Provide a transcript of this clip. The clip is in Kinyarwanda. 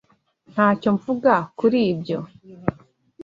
Ntacyo mvuga kuri ibyo